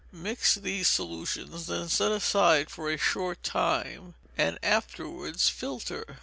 Mix these solutions, then set aside for a short time, and afterwards filter.